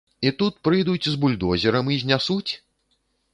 І тут прыйдуць з бульдозерам і знясуць?!